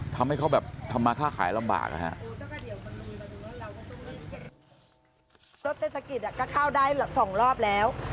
ทำให้เขาแบบทำมาค่าขายลำบากนะฮะ